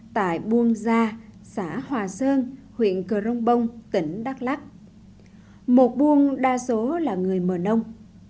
tại buôn gia xã hòa sơn huyện cờ rông bông tỉnh đắk lắc một buôn đa số là người mờ nông